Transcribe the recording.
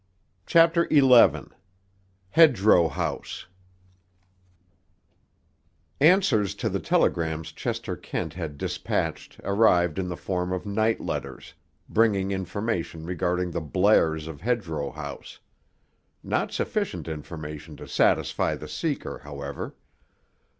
CHAPTER XI—HEDGEROW HOUSE Answers to the telegrams Chester Kent had despatched arrived in the form of night letters, bringing information regarding the Blairs of Hedgerow House: not sufficient information to satisfy the seeker, however.